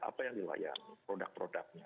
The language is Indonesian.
apa yang dilayani produk produknya